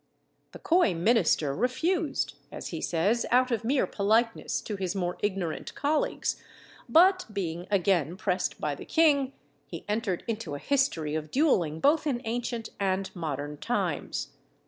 The coy minister refused, as he says, out of mere politeness to his more ignorant colleagues; but, being again pressed by the king, he entered into a history of duelling both in ancient and modern times.